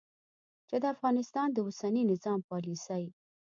چې د افغانستان د اوسني نظام پالیسي